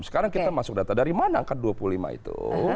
sekarang kita masuk data dari mana angka dua puluh lima itu